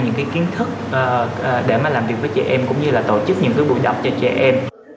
những kiến thức để làm việc với trẻ em cũng như tổ chức những buổi đọc cho trẻ em